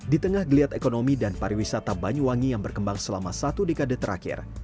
di tengah geliat ekonomi dan pariwisata banyuwangi yang berkembang selama satu dekade terakhir